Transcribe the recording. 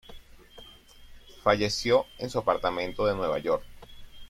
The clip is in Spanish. Falleció en su apartamento de Nueva York.